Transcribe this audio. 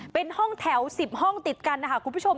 เป็นห้องแถว๑๐ห้องติดกันนะคะคุณผู้ชม